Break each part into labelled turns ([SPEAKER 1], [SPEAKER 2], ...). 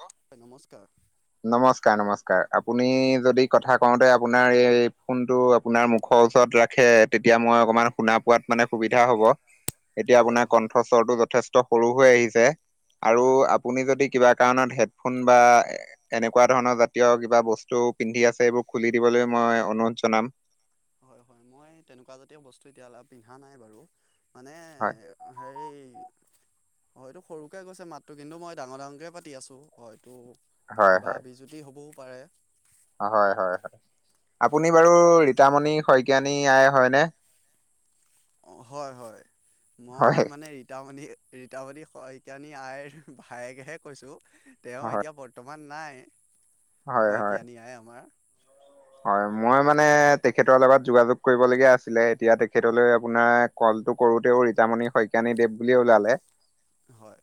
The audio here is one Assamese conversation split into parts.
[SPEAKER 1] [unintelligible] নমস্কাৰ।
[SPEAKER 2] নমস্কাৰ নমস্কাৰ আপুনি যদি কথা কওঁতে আপোনাৰ এই ফোনটো। আপোনাৰ মুখৰ ওচৰত ৰাখে তেতিয়া মই অকনমান শুনা পোৱাত মানে সুবিধা হ'ব। এতিয়া
[SPEAKER 1] হয়
[SPEAKER 2] আপোনাৰ
[SPEAKER 1] হয়
[SPEAKER 2] কণ্ঠস্বৰটো যথেষ্ট সৰু হৈ আহিছে। আৰু
[SPEAKER 1] হয় হয়
[SPEAKER 2] আপুনি যদি কিবা কাৰণত হেডফোন বা। এনেকুৱা ধৰণৰ জাতীয় কিবা বস্তু পিন্ধি আছে এইবোৰ খুলি দিবলৈ মই অনুৰোধ জনাম।
[SPEAKER 1] হয়, হয়, মই তেনেকুৱ জাতীয় বস্তু এতিয়ালৈ পিন্ধা নাই বাৰু মানে
[SPEAKER 2] হয়
[SPEAKER 1] হেই হয়তো, সৰুকৈ গৈছে মাতটো কিন্তু মই ডাঙৰ ডাঙৰকয়ে পাতি আছোঁ হয়টো
[SPEAKER 2] হয়
[SPEAKER 1] কিবা
[SPEAKER 2] হয়
[SPEAKER 1] বিজ্যুতি হ'বও পাৰে।
[SPEAKER 2] হয়, হয়, হয়, আপুনি বাৰু ৰীতামণি শইকীয়ানী আই হয়নে?
[SPEAKER 1] অ', হয়, হয়,
[SPEAKER 2] হয়
[SPEAKER 1] মই মানে ৰীতামণি ৰীতাৱনি শইকীয়ানী আইৰ ভায়েকেহে কৈছো তেওঁ
[SPEAKER 2] হয়
[SPEAKER 1] এতিয়া বৰ্তমান নাই
[SPEAKER 2] হয় হয়
[SPEAKER 1] শইকীয়ানী আই আমাৰ।
[SPEAKER 2] হয়, মই মানে তেখেতৰ লগত যোগাযোগ কৰিবলগীয়া আছিলে এতিয়া তেখেতলৈ আপোনাৰ কলটো কৰোতেও ৰীতামণি শইকানী দেৱ বুলিয়ে ওলালে।
[SPEAKER 1] হয়।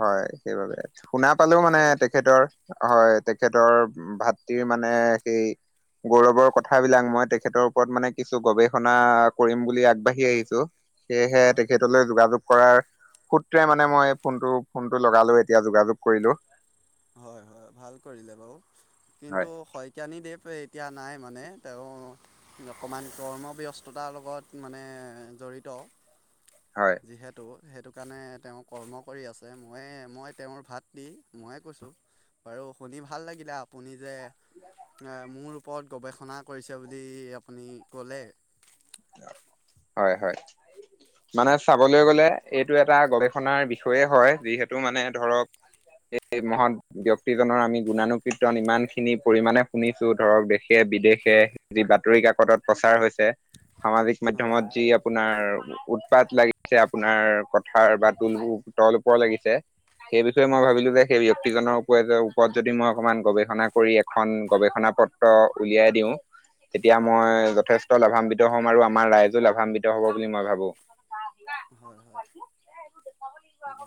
[SPEAKER 2] হয়, সেইবাবে শুনা পালোঁ
[SPEAKER 1] এই
[SPEAKER 2] মানে
[SPEAKER 1] শইক
[SPEAKER 2] তেখেতৰ হয়, তেখেতৰ ভাতৰ মানে সেই গৌৰৱৰ কথাবিলাক মই তেখেতৰ ওপৰত মানে কিছু গৱেষণা কৰিম বুলি আগবাঢ়ি আহিছোঁ। সেয়েহে
[SPEAKER 1] হয়
[SPEAKER 2] তেখেতলৈ যোগাযোগ কৰাৰ সূত্ৰে মানে মই ফোনটো ফোনটো লগালো এতিয়া যোগাযোগ কৰিলোঁ।
[SPEAKER 1] হয়, হয়, ভাল কৰিলে বাৰু
[SPEAKER 2] হয়
[SPEAKER 1] কিন্তু শই কীয়ানী দেৱ এতিয়া নাই মানে তেওঁ অকণমান কৰ্মব ব্যস্ততাৰ লগত মানে জড়িত।
[SPEAKER 2] হয়।
[SPEAKER 1] যিহেতু, সেইটো কাৰণে তেওঁ কৰ্ম কৰি আছে মইে মই তেওঁৰ ভাত দি ময়ে কৈছোঁ। বাৰু শুনি ভাল লাগিলে আপুনি যে মোৰ ওপৰত গৱেষণা কৰিছে বুলি আপুনি ক'লে।
[SPEAKER 2] হয়, হয়, মানে চাবলৈ
[SPEAKER 1] হয়
[SPEAKER 2] গ'লে এইটো এটা গৱেষণাৰ বিষয়ে হয়, যিহেতু মানে ধৰক এই মহত ব্য্য়ক্তিজনৰ আমি গুণানুকীৰ্তন ইমান খিনি পৰিমাণে শুনিছো ধৰক দেশে বিদেশে
[SPEAKER 1] হয়
[SPEAKER 2] যি বাতৰি কাকতত প্ৰচাৰ হৈছে। সামাজিক
[SPEAKER 1] হয়
[SPEAKER 2] মাধ্যমত
[SPEAKER 1] হয়
[SPEAKER 2] যি আপোনাৰ উৎপাত লাগিছে আপোনাৰ কথাৰ বা তুল তল-ওপৰ লাগিছে। সেই বিষয়ে মই
[SPEAKER 1] হয়
[SPEAKER 2] ভাবিলো যে সেই ব্যক্তিজনৰ ওপ ওপৰত যদি মই অকণমান গৱেষণা কৰি এখন গৱেষণা পত্ৰ উলিয়াই দিওঁ। তেতিয়া
[SPEAKER 1] হয়
[SPEAKER 2] মই যথেষ্ট লাভান্বিত হ'ম, আৰু আমাৰ ৰাইজো লাভান্বিত হ'ব বুলি মই ভাবোঁ।
[SPEAKER 1] হয়,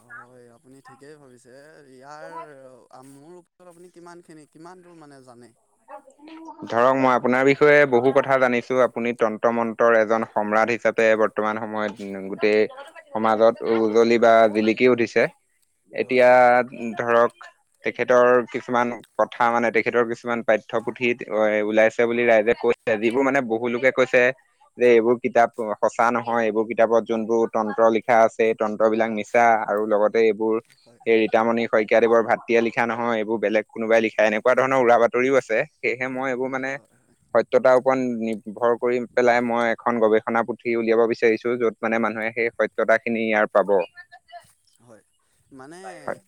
[SPEAKER 1] হয়, আপুনি ঠিকেই ভাবিছে। ইয়াৰ মোৰ ওপৰত আপুনি কিমানখিনি কিমান দূৰ মানে জানে?
[SPEAKER 2] [unintelligible] ধৰক মই আপোনাৰ বিষয়ে বহু কথা জানিছো আপুনি তন্ত্ৰ-মন্তৰ এজন সম্ৰাট হিচাপে বৰ্তমান সময়ত গোটেই সমাজত উজলি বা জিলিকি উঠিছে।
[SPEAKER 1] হয়
[SPEAKER 2] এতিয়া ধৰক তেখেতৰ কিছুমান কথা মানে তেখেতৰ কিছুমান পাঠ্যপুথিত ওলাইছে বুলি ৰাইজে কৈছে যিবোৰ মানে বহুুলোকে কৈছে যে এইবোৰ কিতাপ সঁচা নহয় এইবোৰ কিতাপত যোনবোৰ তন্ত্ৰ লিখা আছে। তন্ত্ৰ বিলাক মিছা আৰু লগত এইবোৰ
[SPEAKER 1] হয়
[SPEAKER 2] এই ৰীতামনী শইকীয়াদেৱৰ ভাতৃয়ে লিখা নহয়, এইবোৰ বেলেগ কোনোবাই লিখা এনেুৱা ধৰণৰ উৰা বাত ৰিও আছে সেয়েহে মই এইবোৰ মানে
[SPEAKER 1] হয়
[SPEAKER 2] ততাৰ ওপৰত নিৰ্ভৰ কৰি পেলাই মই এখন গৱেষণা পুথি উলিয়াব বিচাৰিছোঁ য'ত মানে মানুহে সেই সত্যতা খিনি ইয়াৰ পাব।
[SPEAKER 1] হয়, মানে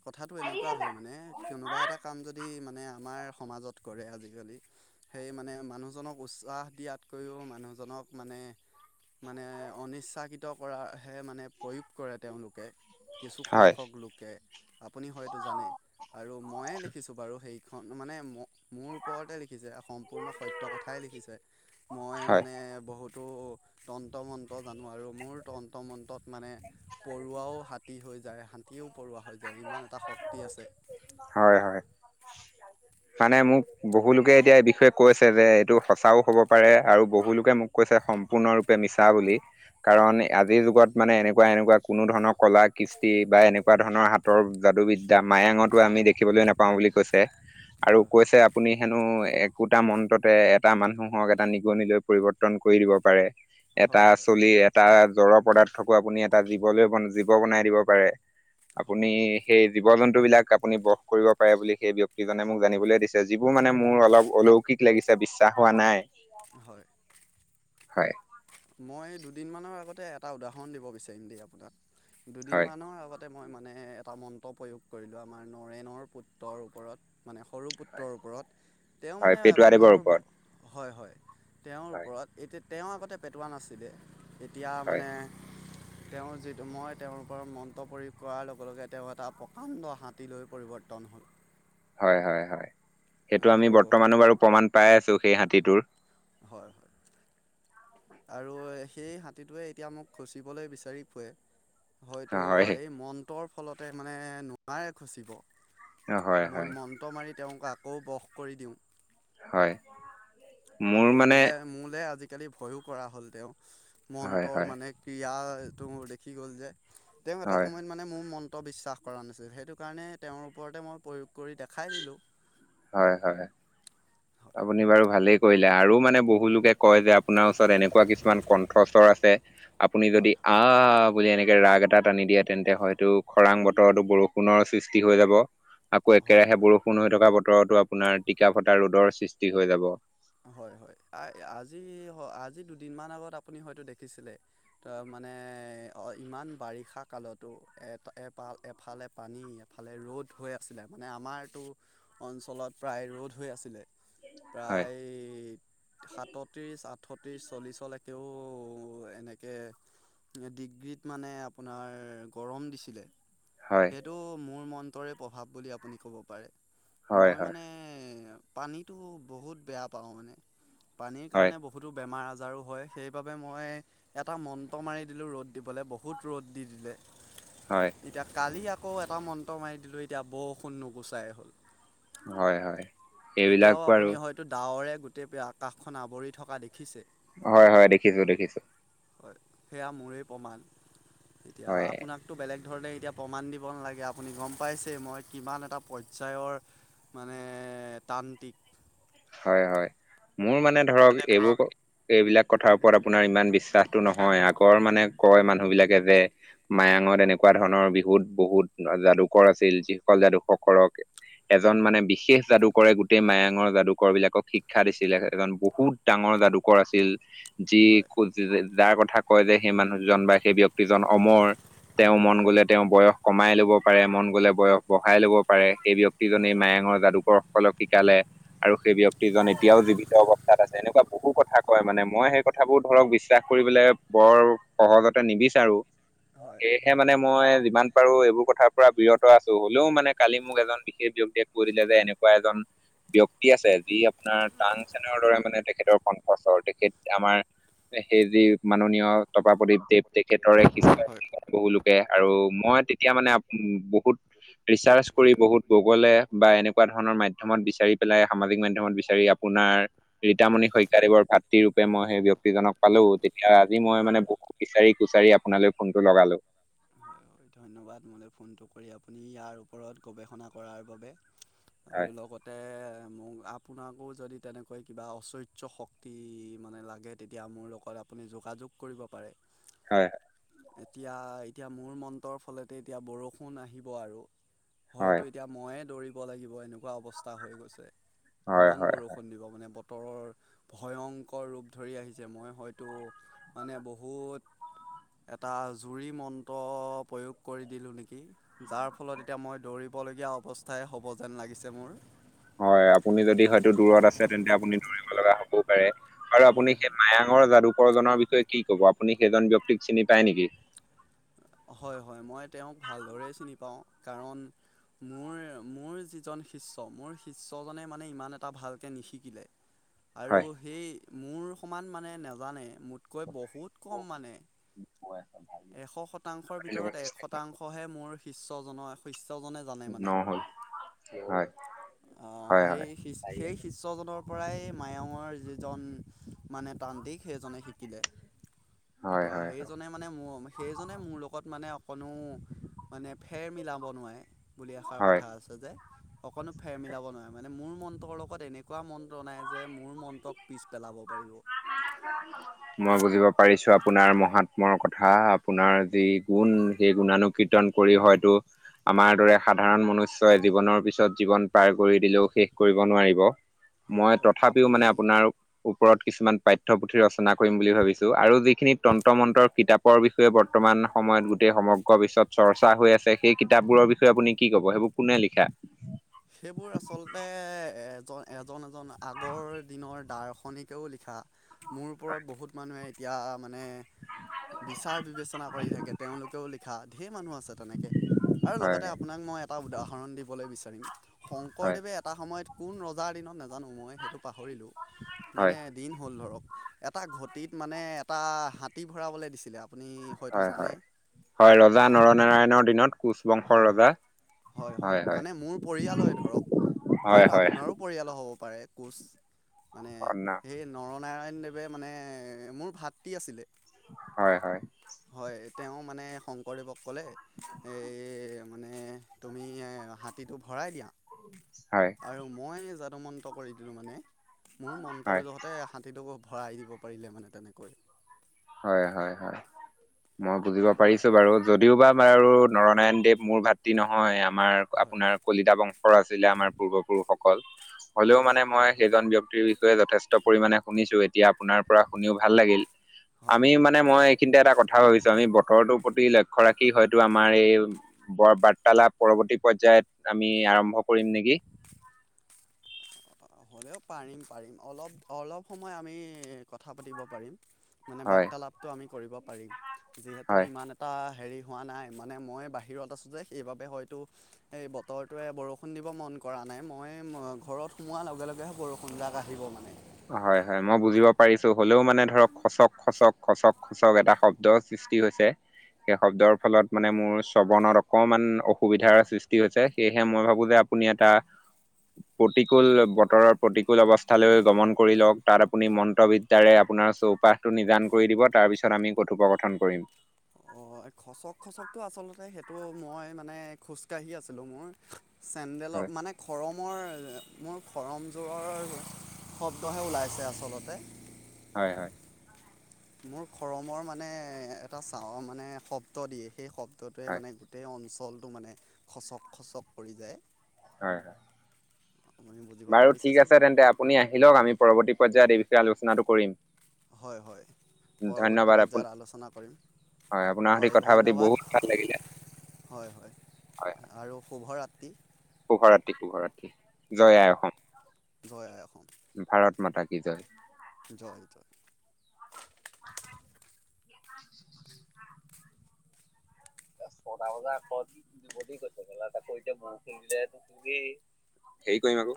[SPEAKER 1] কথাটো এনেকুৱা হয়, মানে কোনোবা এটা কাম যদি মানে আমাৰ সমাজত কৰে আজিকালি। সেই মানে মানুহজনক উৎসাহ দিয়াতকৈও মানুহজনক মানে মানে অনিচ্ছাকৃত কৰাহে মানে প্ৰয়োগ কৰে তেওঁলোকে।
[SPEAKER 2] হয় হয়
[SPEAKER 1] কিছুসংখ্যক লোকে আপুনি হয়তো জানে। আৰু ময়ে লিখিছোঁ বাৰু সেইখন, মানে ম-মোৰ ওপৰতে লিখিছে অসম সম্পূৰ্ণ সত্য কথাই লিখিছে, মই মানে
[SPEAKER 2] হয়
[SPEAKER 1] বহুত টো তন্ত মন্ত্ৰ জানো আৰু মোৰ তন্ত মন্ত্ৰত মানে পৰুৱাও হাত যায় হাঁতীও পৰুৱা হয় যায়, ইমান এটা শক্তি আছে।
[SPEAKER 2] হয়, হয়। মানে মোক বহুলোকে এতিয়া এই বিষয়ে কৈছে যে এইটো সঁচাও হ'ব পাৰে, আৰু বহুলোকে মোক কৈছে সম্পূৰ্ণৰূপে মিছা বুলি। কাৰণ আজিৰ যুগত মানে এনেকুৱা এনেকুৱা কোনো ধৰণৰ কলা কৃষ্টি বা এনেকুৱা ধৰণৰ হাত তৰ যাদু বিদ্যা, মায়াঙতো আমি দেখিবলৈ নাপাওঁ বুলি কৈছে, আৰু
[SPEAKER 1] হয় হয়
[SPEAKER 2] কৈছে আপুনি হেনো একোটা মন্ত্ৰতে এটা মানুহক এটা নিগনিলৈ পৰিৱৰ্তন কৰি দিব পাৰে। এটা
[SPEAKER 1] হয় হয়
[SPEAKER 2] চলি এটা জড়ৰ পদাৰ্থকো আপুনি এটা জীৱলৈ-জীৱ বনাই দিব পাৰে। আপুনি
[SPEAKER 1] হয় হয়
[SPEAKER 2] সেই জীৱ জন্তুবিলাক আপুনি বশ কৰিব পাৰে বুলি সেই ব্যক্তিজনে মোক জানিবলৈ দিছে, যিবোৰ মানে মোৰ অলপ অলোক কিক লাগিছে বিশ্বাস হোৱা নাই।
[SPEAKER 1] হয়
[SPEAKER 2] হয়।
[SPEAKER 1] মই দুদিনমানৰ আগতে এটা উদাহৰণ দিব বিচাৰিম দেই আপোনাক,
[SPEAKER 2] হয়
[SPEAKER 1] দুদিনমানৰ আগত এ মই মানে এটা মন্ত্ৰ প্ৰয়োগ কৰিলোঁ আমাৰ নৰেনৰ পুত্ৰৰ ওপৰত মানে সৰু পুত্ৰৰ ওপৰত, তেওঁ
[SPEAKER 2] হয়
[SPEAKER 1] মানে
[SPEAKER 2] পেটুৱাদেৱৰ
[SPEAKER 1] কথাবোৰ ব,
[SPEAKER 2] ওপৰত
[SPEAKER 1] হয়, হয় তেওঁৰ
[SPEAKER 2] হয়
[SPEAKER 1] ওপৰত, এতিয়া তেওঁ আগতে পেটোৱা নাছিলে, এতিয়া মানে
[SPEAKER 2] [inaudible]
[SPEAKER 1] তেওঁৰ যিটো মই তেওঁৰ ওপৰত মন্ত্ৰ প্ৰয়োগ কৰাৰ লগে লগে তেওঁ এটা প্ৰকাণ্ড হাতীলৈ পৰিৱৰ্তন হ'ল।
[SPEAKER 2] হয় হয় হয়, সেইটো আমি
[SPEAKER 1] আৰু
[SPEAKER 2] বৰ্তমানো বাৰু প্ৰমাণ পাই আছো সেই হাতীটোৰ।
[SPEAKER 1] হয় হয়। আৰু সেই হাতীটোৱে এতিয়া মোক খুচিবলৈ বিচাৰি ফুৰে। হয়তো
[SPEAKER 2] হয়
[SPEAKER 1] এই মন্ৰৰ ফলতে মানে নোৱাৰে খুচিব।
[SPEAKER 2] হয়
[SPEAKER 1] মই
[SPEAKER 2] হয়
[SPEAKER 1] মন্ত্ৰ মাৰি তেওঁক আকৌ বশ কৰি দিওঁ।
[SPEAKER 2] হয়। মোৰ
[SPEAKER 1] আৰু
[SPEAKER 2] মানে
[SPEAKER 1] মোলে মোলে আজিকালি ভয়ো কৰা হ'ল তেওঁ,
[SPEAKER 2] হয়
[SPEAKER 1] মন্ত্ৰৰ
[SPEAKER 2] হয়
[SPEAKER 1] মানে ক্ৰীড়াটোৰ দেখি গ'ল যে, তেওঁ এটা
[SPEAKER 2] হয়
[SPEAKER 1] সময়ত মানে মোৰ মন্ত্ৰ বিশ্বাস কৰা নাছিল সেইটোকাৰণে তেওঁৰ ওপৰতে মই প্ৰয়োগ কৰি দেখাই দিলোঁ।
[SPEAKER 2] হয় হয়। আপুনি বাৰু ভালেই কৰিলে, আৰু মানে বহুলোকে কয় যে আপোনাৰ ওচৰত এনেকুৱা কিছুমান কণ্ঠস্বৰ আছে। আপুনি যদি
[SPEAKER 1] হয়
[SPEAKER 2] আ আ, আ, আ, বোলে এনেকে ৰাগ এটা টানি দিয়ে তেন্তে হয়তো খৰাং বতৰতো বৰষুণৰ সৃষ্টি হৈ যাব। আকৌ
[SPEAKER 1] হয়
[SPEAKER 2] একেৰাহে বৰষুণ হৈ থকা বতৰতো আপোনাৰ টিকা ফটা ৰ'দৰ সৃষ্টি হৈ যাব।
[SPEAKER 1] হয় হয়, আজি-আজি দুদিনমান আগত আপুনি হয়তো দেখিছিলে তাৰ মানে অ', ইমান বাৰিষাকালতো এ এপ এফালে পানী এফালে ৰ'দ হৈ আছিলে মানে আমাৰতো অঞ্চলত প্ৰায় ৰ'দ হৈ আছিলে,
[SPEAKER 2] হয়
[SPEAKER 1] প্ৰায় সাতত্ৰিশ, আঠত্ৰিশ, চল্লিশলৈকেও এনেকে ডিগ্ৰীত মানে আপোনাৰ গৰম দিছিলে।
[SPEAKER 2] হয়।
[SPEAKER 1] এইটো মোৰ মন্ত্ৰৰে প্ৰভাৱ বুলি আপুনি ক'ব পাৰে।
[SPEAKER 2] হয়
[SPEAKER 1] মই
[SPEAKER 2] হয়
[SPEAKER 1] মানে পানীটো বহুত বেয়া পাওঁ মানে, পানীৰ
[SPEAKER 2] হয়
[SPEAKER 1] কাৰণে বহু বহুতো বেমাৰ আজাৰো হয় সেইবাবে মই এটা মন্ত্ৰ মাৰি দিলোঁ ৰ'দ দিবলৈ বহুত ৰ'দ দি দিলে।
[SPEAKER 2] হয়।
[SPEAKER 1] এতিয়া কালি আকৌ এটা মন্ত্ৰ মাৰি দিলোঁ এতিয়া বৰষুণ নুগুচাই হ'ল।
[SPEAKER 2] হয় হয় এইবিলাক
[SPEAKER 1] এতিয়াও
[SPEAKER 2] বাৰু
[SPEAKER 1] আপুনি হয় ডাৱৰে গোটেই আকাশখন আৱৰি থকা দেখিছে।
[SPEAKER 2] হয় হয় দেখিছোঁ দেখিছোঁ।
[SPEAKER 1] হয়, সেয়া মোৰেই প্ৰমাণ এতিয়া
[SPEAKER 2] হয়
[SPEAKER 1] আপোনাক টো বেলেগ ধৰণে এতিয়া প্ৰমাণ দিব নালাগে, আপুনি গ'ম পাইছেই মই কিমান এটা পৰ্যায়ৰ মানে তান্ত্ৰিক।
[SPEAKER 2] হয়, হয়, মোৰ মানে ধৰক এইবোৰ এইবিলাক কথাৰ ওপৰত আপোনাৰ ইমান বিশ্বাস টো নহয়, আগৰ মানে কয় মানুহ বিলাকে যে মায়ঙত এনেকুৱা ধৰণৰ বিহুত বহুত যাদুকৰ আছিল যিসকল যাদুসকলক এজন মানে বিশেষ যাদু কৰে গোটেই মায়ঙৰ যাদু কৰ বিলাকক শিক্ষা দিছিলে, এজন বহুত ডাঙৰ যাদুকৰ আছিল। যি
[SPEAKER 1] হয়
[SPEAKER 2] যাৰ কথা কয় যে, সেই মানুহজন বা সেই ব্যক্তিজন অমৰ। তেওঁ মন
[SPEAKER 1] হয়
[SPEAKER 2] গ'লে তেওঁ বয়স কমাই ল'ব পাৰে, মন গ'লে বয়স বঢ়াই ল'ব পাৰে, সেই ব্যক্তিজনেই
[SPEAKER 1] হয়
[SPEAKER 2] মায়ঙৰ যাদুকৰ সকলক শিকালে। আৰু সেই ব্যক্তিজন
[SPEAKER 1] হয়
[SPEAKER 2] এতিয়াও জীৱিত অৱস্থাত আছে এনেকুৱা বহু কথা কয় মানে, মই সেই কথাবোৰ ধৰক বিশ্বাস কৰিবলে বৰ সহজতে নিবিচাৰো।
[SPEAKER 1] হয়
[SPEAKER 2] সেয়েহে মানে, মই যিমান পাৰো এইবোৰ কথাৰ পৰা বিৰত আছো হ'লেও মানে কালি মোক এজন বিশেষ ব্যক্তিয়ে কৈ দিলে যে, এনেকুৱা এজন ব্যক্তি আছে যি আপোনাৰ তানসেন ৰ দৰে মানে তেখেতৰ বছৰ তেখেত আমাৰ সেই যি, মাননীয় তপাপদীপ দেৱ তেখেতৰ এক শিষ্য
[SPEAKER 1] হয় হয়
[SPEAKER 2] বহুুলোক আৰু মই তেতিয়া মানে বহুত ৰিচাৰ্চ কৰি বহুত গুগলে বা এনেকুৱা ধৰণৰ মাধ্যমত বিচাৰি পেলাই সামাজিক মাধ্যমত বিচাৰি আপোনাৰ ৰীতামণি শইকীয়াদেৱৰ ভাতৃৰূপে মই সেইব্যক্তি জনক পালো তেতিয়া আজি মই
[SPEAKER 1] হয়
[SPEAKER 2] মানে বহু বিচাৰি-কুচাৰি আপোনালৈ ফোনটো লগালো।
[SPEAKER 1] হয়, হয়, ধন্যবাদ মোলৈ ফোনটো কৰি আপুনি ইয়াৰ ওপৰত গৱেষণা কৰাৰ বাবে।
[SPEAKER 2] হয়
[SPEAKER 1] আৰু লগতে মোক আপোনাকো যদি তেনেকৈ কিবা ঐশ্বৰ্য শক্তি মানে লাগে, তেতিয়া মোৰ লগত আপুনি যোগাযোগ কৰিব পাৰে।
[SPEAKER 2] হয়।
[SPEAKER 1] এতিয়া এতিয়া মোৰ মন্ৰৰ ফলতে এতিয়া বৰষুণ আহিব আৰু
[SPEAKER 2] হয়
[SPEAKER 1] হয়তো এতিয়া ময়ে দৌৰিব লাগিব, এনেকুৱা অৱস্থা হৈ গৈছে
[SPEAKER 2] হয়
[SPEAKER 1] ইমান
[SPEAKER 2] হয়
[SPEAKER 1] বৰষুণ দিব মানে বতৰৰ ভয়ংকৰ ৰূপ ধৰি আহিছে মই হয়তো মানে বহুত এটা জুৰি মন্ত্ৰ প্ৰয়োগ কৰি দিলোঁ নেকি। যাৰ ফলত এতিয়া মই দৌৰিবলগীয়া অৱস্থাই হ'ব যেন, লাগিছে মোৰ।
[SPEAKER 2] হয়, আপুনি যদি হয়তো দূৰত আছে তেন্তে আপুনি দৌৰিব লগা হবও পাৰে আৰু আপুনি
[SPEAKER 1] হয়
[SPEAKER 2] সেই
[SPEAKER 1] হয়
[SPEAKER 2] মায়া ঙৰ যাদুকৰ জনৰবিষয়ে কি ক'ব আপুনি সেইজন ব্যয়ক্তিক চিনি পায় নেকি?
[SPEAKER 1] হয়, হয়, মই তেওঁক ভালদৰেই চিনি পাওঁ কাৰণ মোৰ মোৰ যিজন শিষ্য মোৰ শিষ্যজনে মানে ইমান এটা ভালকৈ নিশিকিলে।
[SPEAKER 2] [inaudible]
[SPEAKER 1] আৰু সেই মোৰ সমান মানে নাজানে মোতকৈ বহুত কম মানে।
[SPEAKER 2] [unintelligible]
[SPEAKER 1] এশ শতাংশৰ ভিতৰত এক শতাংশহে মোৰ শিষ্যজনৰ শিষ্যজনে জানে মানে
[SPEAKER 2] নহ'ল হয়
[SPEAKER 1] আহ
[SPEAKER 2] হয় হয়
[SPEAKER 1] সেই সেই শিষ্যজনৰ পৰাই মায়ঙৰ যিজন মানে তান্ত্ৰিক সেইজনে শিকিলে।
[SPEAKER 2] হয়
[SPEAKER 1] এতিয়া
[SPEAKER 2] হয় হয়
[SPEAKER 1] সেইজনে মানে ম সেইজনে মোৰ লগত মানে অকণো মানে ফেৰ মিলাব নোৱাৰে। বুলি এষাৰ
[SPEAKER 2] হয়
[SPEAKER 1] কথা আছে যে অকনো ফেৰ মিলাব নোৱাৰে মানে মোৰ মন্ত্ৰৰ লগত এনেকুৱা মন্ত্ৰ নাই যে, মোৰ মন্ত্ৰক পিছ পেলাব পাৰিব।
[SPEAKER 2] মই বুজিব পাৰিছো আপোনাৰ মহাত্মৰ কথা। আপোনাৰ যি গুণ
[SPEAKER 1] হয়,
[SPEAKER 2] সেই গুণানুকীৰ্তন কৰি হয়তো, আমাৰ দৰে সাধাৰণ মনুষ্যই জীৱনৰ পিছত জীৱন। পাৰ কৰি দিলেও শেষ কৰিব নোৱাৰিব
[SPEAKER 1] হয়,
[SPEAKER 2] মই
[SPEAKER 1] হয়
[SPEAKER 2] তথাপিও মানে
[SPEAKER 1] আপুনি
[SPEAKER 2] আপোনাৰ। ওপৰত কিছুমান পাঠ্যপুথি ৰচনা। কৰিম বুলি ভাবিছো আৰু যিখিনি তন্ত্ৰ মন্ত্ৰৰ কিতাপৰ বিষয়ে বৰ্তমান সময়ত গোটেই সমগ [unintelligible] চৰ্চা হৈ আছে সেই কিতাপবোৰৰ বিষয়ে আপুনি কি কব সেইবোৰ কোনে লিখা।
[SPEAKER 1] সেইবোৰ আচলতে এজ এজন, এজন আগৰ দিনৰ দাৰ্শনিকেও লিখা মোৰ ওপৰত বহুত। মানুহে এতিয়া মানে বিচাৰ বিবেচনা কৰি থাকে তেওঁলোকেও লিখা। ঢেৰ মানুহ আছে তেনেকৈ আৰু
[SPEAKER 2] হয়
[SPEAKER 1] লগতে আপোনাক মই এটা উদাহৰণ দিবলৈ বিচাৰিম।
[SPEAKER 2] হয়
[SPEAKER 1] শংকৰদেৱে এটা সময়ত কোন ৰজাৰ দিনত নাজানো মই সেইটো পাহৰিলোঁ মানে।
[SPEAKER 2] হয়
[SPEAKER 1] দিন হ'ল ধৰক এটা ঘটিত মানে এটা হাতী ভৰাবলৈ দিছিলে। আপুনি হয়তো
[SPEAKER 2] হয়
[SPEAKER 1] জানে
[SPEAKER 2] হয় হয় ৰজা
[SPEAKER 1] অ
[SPEAKER 2] নৰনাৰায়ণৰ দিনত কোচ বংশৰ
[SPEAKER 1] হয়, হয়।
[SPEAKER 2] ৰজা
[SPEAKER 1] হয়, হয় মানে মোৰ পৰ য়াল ধৰক
[SPEAKER 2] হয়
[SPEAKER 1] হয়তো
[SPEAKER 2] হয়
[SPEAKER 1] আপোনাৰো পৰিয়ালো হ'ব পাৰে কোচ মানে
[SPEAKER 2] হয় না
[SPEAKER 1] সেই। নৰনাৰায়ণদেৱে মানে মোৰ ভাতৃ আছিলে।
[SPEAKER 2] হয়, হয়।
[SPEAKER 1] হয় তেওঁ মানে শংকৰদেৱক ক'লে। এই মানে তুমি হাতীটো ভৰাই দিয়া।
[SPEAKER 2] হয়।
[SPEAKER 1] আৰু মই যাদু মন্ত্ৰ কৰি দিলোঁ মানে মোৰ
[SPEAKER 2] হয়
[SPEAKER 1] মন্ত্ৰৰ লগত। তে হাতীটোকো ভৰাই দিব পাৰিলে মানে তেনেকৈ।
[SPEAKER 2] হয়, হয়, হয়। মই বুজিব পাৰিছোঁ বাৰু যদিওবা বাৰু নৰনায়ণদেৱ মোৰ ভাতৃ নহয়। আমাৰ
[SPEAKER 1] হয়
[SPEAKER 2] আপোনাৰ কলিতা বংশৰ আছিলে আমাৰ পূৰ্বপুৰুষসকল। হ'লেও
[SPEAKER 1] অঁ
[SPEAKER 2] মানে
[SPEAKER 1] হয়
[SPEAKER 2] মই
[SPEAKER 1] হয়
[SPEAKER 2] সেইজন ব্যক্তিৰ বিষয়ে যথেষ্ট পৰিমাণে শুনিছো এতিয়া আপোনাৰ পৰা শুনিও ভাল লাগিল।
[SPEAKER 1] হয়
[SPEAKER 2] আমি মানে মই এইখিনিতে এটা কথা ভাবিছোঁ আমি বতৰটোৰ প্ৰতি লক্ষ্য ৰাখি হয়তো আমাৰ এই। বৰ বাৰ্তালাপ পৰৱৰ্তী পৰ্যায়ত আমি আৰম্ভ কৰিম নেকি।
[SPEAKER 1] হ'লেও পাৰিম, পাৰিম অলপ, অলপ সময় আমি কথা পাতিব পাৰিম। মানে
[SPEAKER 2] হয়
[SPEAKER 1] বাৰ্তালাপটো আমি কৰিব পাৰিম যিহেতু
[SPEAKER 2] হয়।
[SPEAKER 1] ইমান এট টা হেৰি হোৱা নাই মানে মই বাহিৰত আছোঁ যে সেইবাবে হয়তো। এই বতৰটোৱে বৰষুণ দিব মন কৰা নাই মই উম ঘৰত। সোমোৱাৰ লগে লগেহে বৰষুণজাক আহিব মানে।
[SPEAKER 2] হয়, হয় মই বুজিব পাৰিছোঁ হ'লেও মানে ধৰক খচক, খচক, খচক। চক এটা শব্দৰ সৃষ্টি হৈছে। সেই শব্দৰ ফলত মানে মোৰ শ্ৰৱণত অকমান অসুবিধাৰ সৃষ্টি হৈছে সেয়েহে মই ভাবো যে আপ আপুনি এটা প্ৰতিকূল বতৰৰ প্ৰতিকূল অৱস্থা লৈ গমন। কৰি লওক তাত আপুনি মন্ত্ৰবিদ্যাৰে আপোনাৰ চৌপাশটো নিদান কৰি দিব তাৰপিছত আমি কথোপকথন কৰিম।
[SPEAKER 1] অ খচক, খচকটো আচলতে সেইটো মই মানে খোজকাঢ়ি আছিলোঁ মই। চেণ্ডেলৰ
[SPEAKER 2] হয়
[SPEAKER 1] মানে খৰম। মোৰ, মোৰ খৰমযোৰৰ শব্দহে ওলাইছে আচলতে।
[SPEAKER 2] হয়, হয়।
[SPEAKER 1] মোৰ খৰমৰ মানে এটা চাও মানে শব্দ দিয়ে সেই শব ব্দটোয়ে
[SPEAKER 2] হয়
[SPEAKER 1] মানে গোটেই অঞ্চলটো মানে খচক, খচক কৰি যায়।
[SPEAKER 2] হয়। হয়
[SPEAKER 1] আপুনি বুজিব
[SPEAKER 2] বাৰু ঠিক
[SPEAKER 1] পাৰিছে
[SPEAKER 2] আছে
[SPEAKER 1] চাগৈ।
[SPEAKER 2] তেন্তে আপুনি আহি লওক আমি পৰৱৰ্তী পৰ্যায়ত এই বিষয়ে আলোচনাটো কৰিম।
[SPEAKER 1] হয়, হয় পৰৱৰ্তী
[SPEAKER 2] ধন্যবাদ আপু
[SPEAKER 1] পৰ্যায়ত আলোচনা কৰিম।
[SPEAKER 2] হয় আপোনাৰ সৈতে কথা পাতি বহুত ভাল লাগিলে।
[SPEAKER 1] হয়, হয়
[SPEAKER 2] হয়
[SPEAKER 1] আৰু শুভৰাতি।
[SPEAKER 2] শুভৰাত্ৰি, শুভৰাত্ৰি জয় আই
[SPEAKER 1] হয় জয় আই
[SPEAKER 2] অসম ভাৰত মাতা কি জয়।
[SPEAKER 1] জয় তে জয়।
[SPEAKER 2] ছটা বজাৰ আকৌ বডি গৈছে গেলা, তাতে এতিয়া বৰষুণ দিলে হ'লেই। হেৰি কৰিম আকৌ।